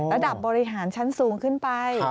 ระดับบริหารชั้นสูงขึ้นไป